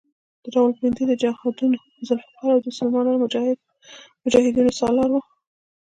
د راولپنډۍ د جهادونو ذوالفقار او د مسلمانو مجاهدینو سالار وو.